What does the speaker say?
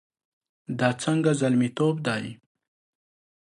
دا څنګه زلميتوب دی؟